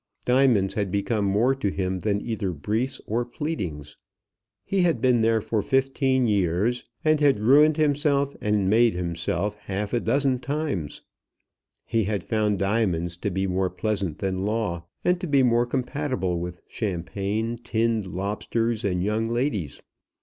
Diamonds had become more to him than either briefs or pleadings. He had been there for fifteen years, and had ruined himself and made himself half a dozen times. He had found diamonds to be more pleasant than law, and to be more compatible with champagne, tinned lobsters, and young ladies.